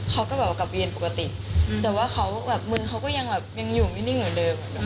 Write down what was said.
เขาก็กลับเรียนปกติแต่ว่ามือเขาก็ยังอยู่ไม่นิ่งเหมือนเดิม